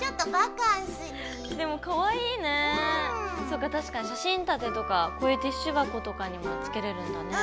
そっか確かに写真立てとかこういうティッシュ箱とかにもつけれるんだね。